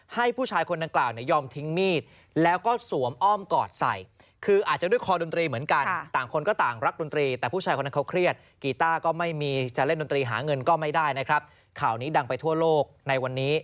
ให้ผู้ชายคนดังกล่าว